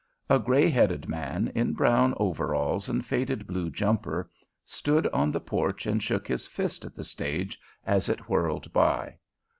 A gray headed man, in brown overalls and faded blue jumper, stood on the porch and shook his fist at the stage as it whirled by.